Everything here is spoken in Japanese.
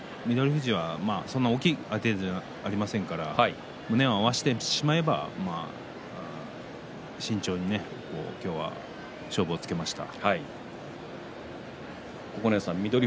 富士はそんなに大きな相手ではありませんから胸を合わせてしまえば、慎重に今日は勝負をつけました。